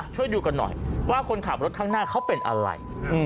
ช่วยดูกันหน่อยว่าคนขับรถข้างหน้าเขาเป็นอะไร